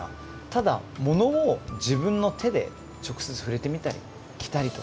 ただものを自分の手で直接触れてみたり着たりとか。